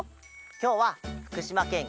きょうはふくしまけん